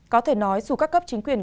có thể nói dù các cấp chính quyền